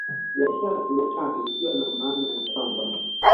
Biashara ya Pembe Tatu ikiwa na maana ya kwamba